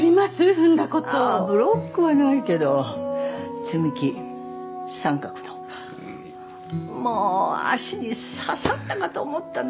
踏んだことブロックはないけど積み木三角のもう足に刺さったかと思ったね